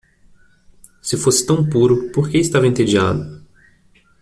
Se fosse tão puro, por que estava entediado?